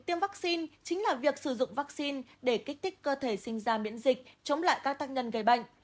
tiêm vaccine chính là việc sử dụng vaccine để kích thích cơ thể sinh ra miễn dịch chống lại các tác nhân gây bệnh